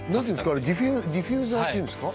あれディフューザーっていうんですか？